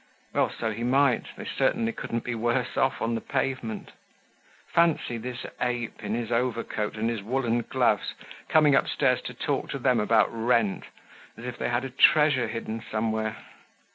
Well, so he might, they certainly couldn't be worse off on the pavement! Fancy this ape, in his overcoat and his woolen gloves, coming upstairs to talk to them about rent, as if they had had a treasure hidden somewhere!